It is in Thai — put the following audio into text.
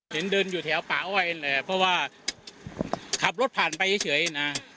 เห็นเดินอยู่แถวป่าอ้อยเลยเพราะว่าขับรถผ่านไปเฉยนะ